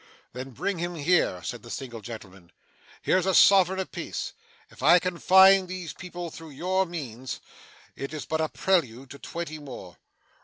'Then bring him here,' said the single gentleman. 'Here's a sovereign a piece. If I can find these people through your means, it is but a prelude to twenty more.